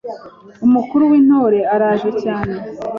Umukuru w’Intore araje cyane